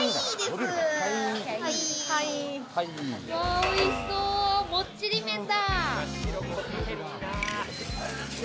おいしそうもっちり麺だ。